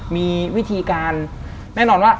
มีวิธีการแน่นอนว่า